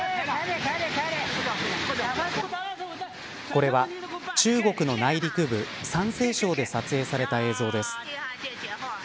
これは中国の内陸部山西省で撮影された映像です。